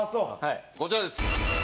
こちらです。